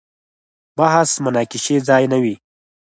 بحث مناقشې ځای نه وي.